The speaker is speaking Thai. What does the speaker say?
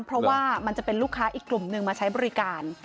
เพราะว่ามันจะเป็นลูกค้าอีกกลุ่มหนึ่งมาใช้บริการ